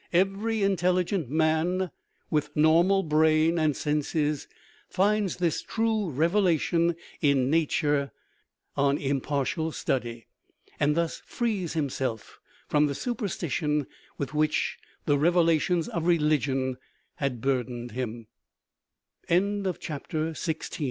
Every intelligent man with normal brain and senses finds this true revelation in nature on impartial study, and thus frees himself from the superstition with which the " revelations " of religion had